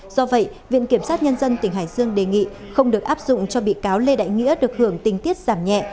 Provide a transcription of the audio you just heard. do vậy viện kiểm sát nhân dân tỉnh hải dương đề nghị không được áp dụng cho bị cáo lê đại nghĩa được hưởng tình tiết giảm nhẹ